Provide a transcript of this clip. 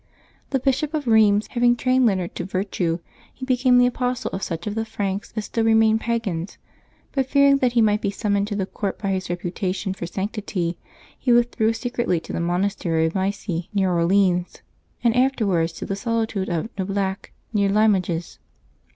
The Bishop of Eheims having trained Leonard to virtue, he became the apostle of such of the Franks as still remained pagans; but fearing that he might be summoned to the court by his reputation for sanctit}^ he withdrew secretly to the monastery of Micy, near Orleans, and afterwards to the solitude of Noblac near Limoges.